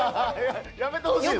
やめてほしいです。